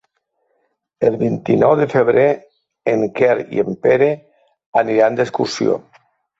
El vint-i-nou de febrer en Quer i en Pere aniran d'excursió.